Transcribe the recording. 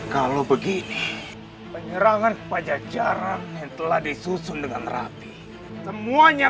kalau begini penyerangan kepada jarang yang telah disusun dengan rapi semuanya